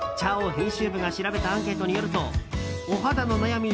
編集部が調べたアンケートによるとお肌の悩み